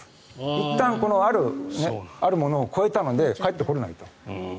いったん、あるものを超えたので帰ってこれないと。